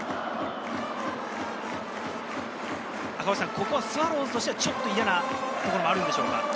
ここはスワローズとしてはちょっと嫌なところもあるんでしょうか？